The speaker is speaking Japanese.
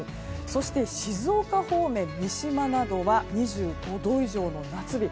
そして静岡方面、三島などは２５度以上の夏日。